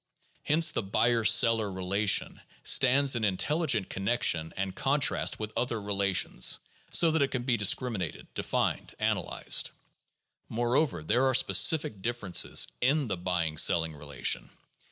Hence the buyer seller relation stands in intelligent connection and contrast with other relations, so that it can be discriminated, denned, analyzed. Moreover, there are specific differences in the buying selling relation.